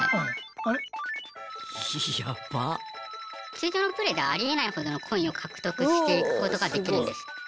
通常のプレーではありえないほどのコインを獲得していくことができるんです。